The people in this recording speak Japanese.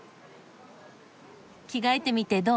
着替えてみてどう？